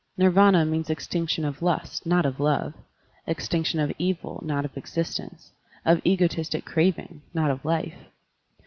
Nirv&na means extinction of lust, not of love; extinction of evil, not of existence; of egotistic craving, not of life.